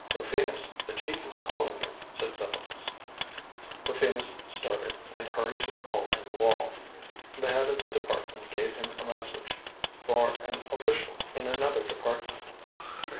"Rufinus, the Chief is calling you," said Cephalus. Rufinus started, and hurried to the hole in the wall. The Head of the Department gave him a message for an official in another department.